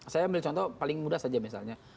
saya ambil contoh paling mudah saja misalnya